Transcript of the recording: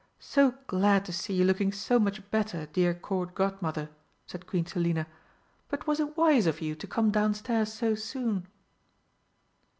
"So glad to see you looking so much better, dear Court Godmother!" said Queen Selina. "But was it wise of you to come downstairs so soon?"